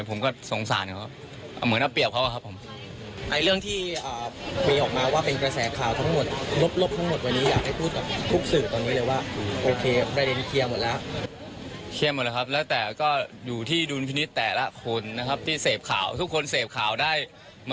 ผมก็สงสารเขาเหมือนเอาเปรียบเขาครับผม